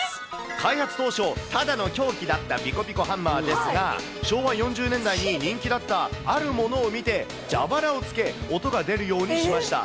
開発当初、ただの凶器だったピコピコハンマーですが、昭和４０年代に人気だったあるものを見て、蛇腹をつけ、音が出るようにしました。